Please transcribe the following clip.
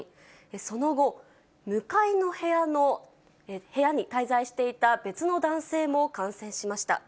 その後、向かいの部屋に滞在していた別の男性も感染しました。